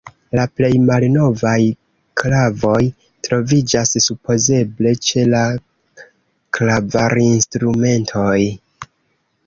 La plej malnovaj klavoj troviĝas supozeble ĉe la klavarinstrumentoj.